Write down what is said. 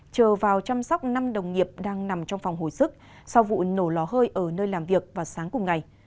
chờ vào chăm sóc năm đồng nghiệp đang nằm trong phòng hồi sức sau vụ nổ lò hơi ở nơi làm việc vào sáng cùng ngày